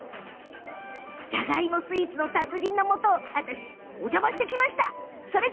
じゃがいもスイーツの達人のもとをお邪魔してきました。